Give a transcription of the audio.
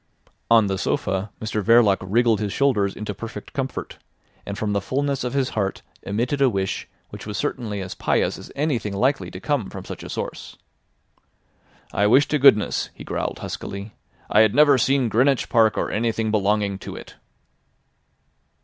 On the sofa Mr Verloc wriggled his shoulders into perfect comfort, and from the fulness of his heart emitted a wish which was certainly as pious as anything likely to come from such a source. "I wish to goodness," he growled huskily, "I had never seen Greenwich Park or anything belonging to it."